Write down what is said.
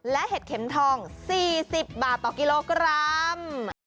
และเห็ดเข็มทอง๔๐บาทต่อกิโลกรัม